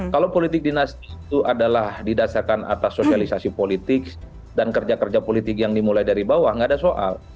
kalau politik dinasti itu adalah didasarkan atas sosialisasi politik dan kerja kerja politik yang dimulai dari bawah nggak ada soal